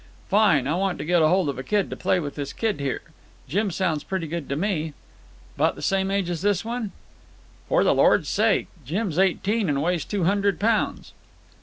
"Fine. I want to get hold of a kid to play with this kid here. Jim sounds pretty good to me. About the same age as this one?" "For the Lord's sake! Jim's eighteen and weighs two hundred pounds."